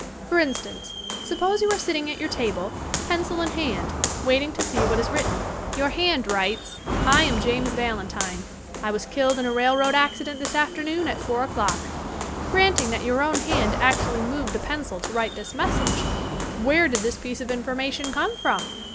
For instance, suppose you are sitting at your table, pencil in hand, waiting to see what is written. Your hand writes: "I am James Valentine. I was killed in a railroad accident this afternoon at four o'clock." Granting that your own hand actually moved the pencil to write this mes sage, where did this piece of information come from!